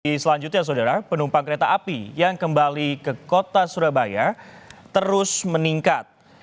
di selanjutnya saudara penumpang kereta api yang kembali ke kota surabaya terus meningkat